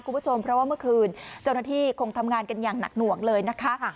คุณผู้ชมเพราะว่าเมื่อคืนเจ้าหน้าที่คงทำงานกันอย่างหนักหน่วงเลยนะคะ